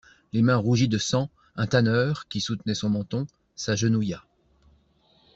Les mains rougies de sang, un tanneur, qui soutenait son menton, s'agenouilla.